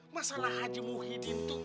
masalah haji muhyiddin tuh